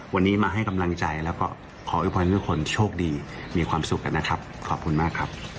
วันนี้มาให้กำลังใจแล้วก็ขอโวยพรให้ทุกคนโชคดีมีความสุขกันนะครับขอบคุณมากครับ